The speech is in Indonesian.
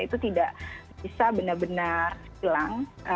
itu tidak bisa benar benar hilang